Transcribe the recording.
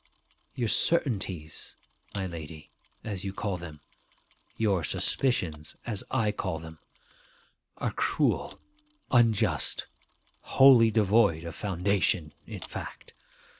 'Your certainties, my lady, as you call them, your suspicions as I call them, are cruel, unjust, wholly devoid of foundation in fact.